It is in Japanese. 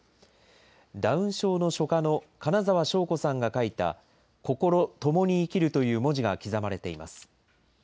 ダウン症の書家の金澤翔子さんが書いた、心、ともに生きるという文字が刻まれています。